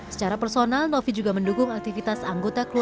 secara personal novi juga mendukung aktivitas anggota puput dan zulf